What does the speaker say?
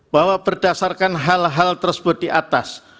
bahwa berdasarkan hal hal tersebut di atas